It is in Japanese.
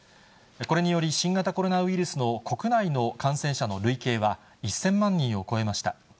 これにより、新型コロナウイルスの国内の感染者の累計は、１０００万人を超えました。